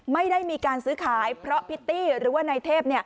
ไม่ได้มีการซื้อขายเพราะพิตตี้หรือว่านายเทพ